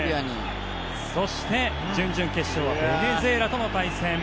そして準々決勝はベネズエラとの対戦。